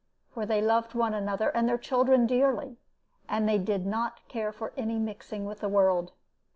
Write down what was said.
For they loved one another and their children dearly, and they did not care for any mixing with the world.